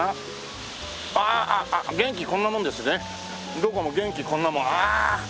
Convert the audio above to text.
どこも元気こんなものああー！